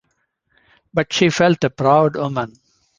But she felt a proud woman.